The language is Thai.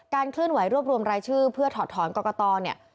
เคลื่อนไหวรวบรวมรายชื่อเพื่อถอดถอนกรกตเนี่ย